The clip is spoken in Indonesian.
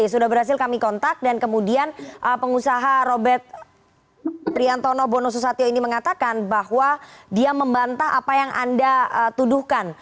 sudah berhasil kami kontak dan kemudian pengusaha robert priantono bono susatyo ini mengatakan bahwa dia membantah apa yang anda tuduhkan